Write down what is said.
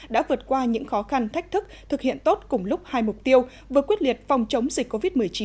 đã vượt qua những khó khăn thách thức thực hiện tốt cùng lúc hai mục tiêu vừa quyết liệt phòng chống dịch covid một mươi chín